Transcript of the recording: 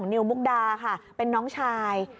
นิวมุกดาค่ะเป็นน้องชาย